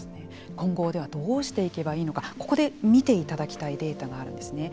今後、ではどうしていけばいいのかここで見ていただきたいデータがあるんですね。